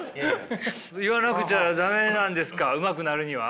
言わなくちゃ駄目なんですかうまくなるには。